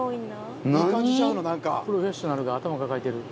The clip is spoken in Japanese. プロフェッショナルが頭抱えてる。